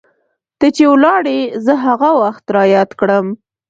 ته چې ولاړي زه هغه وخت رایاد کړم